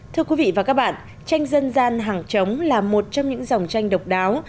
thưa quý vị và các bạn tranh dân gian hàng chống là một trong những dòng tranh độc đáo